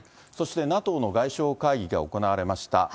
そして、ＮＡＴＯの外相会議が行われました。